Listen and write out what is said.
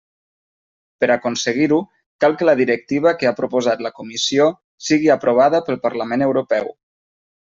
Per aconseguir-ho, cal que la directiva que ha proposat la Comissió sigui aprovada pel Parlament Europeu.